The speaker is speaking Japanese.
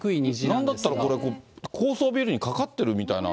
なんだったらこれ、高層ビルにかかっているみたいな。